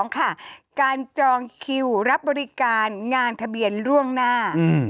การจองคิวรับบริการงานทะเบียนล่วงหน้า